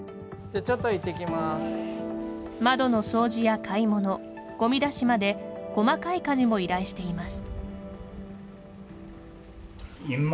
窓の掃除や買い物ごみ出しまで細かい家事も依頼しています。